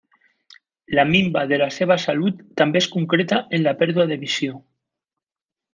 La minva de la seva salut també es concreta en la pèrdua de visió.